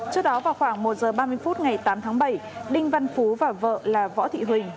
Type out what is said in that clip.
trước đó vào khoảng một giờ ba mươi phút ngày tám tháng bảy đinh văn phú và vợ là võ thị huỳnh